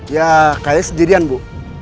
ya kayaknya sendirian bu